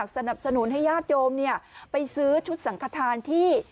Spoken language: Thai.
สนับสนุนให้ญาติโยมไปซื้อชุดสังขทานที่